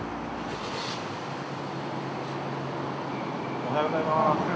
おはようございます。